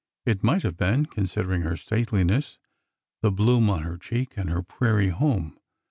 It might have been, considering her stateliness, the bloom on her cheek, and her prairie home.